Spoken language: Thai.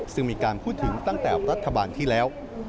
ซึ่งมีการพูดถึงตั้งแต่รัฐบาลที่แล้ว